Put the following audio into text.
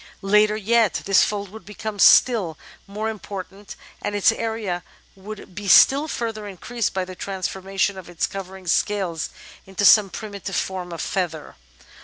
Later yet this fold would become still more important, and its area would be still further increased by the transformation of its covering scales into some primitive form of feather.